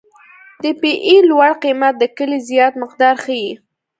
د پی ای لوړ قیمت د کلې زیات مقدار ښیي